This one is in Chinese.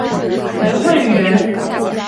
为会员。